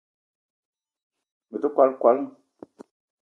Me te kwal kwala